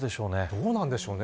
どうなんでしょうね。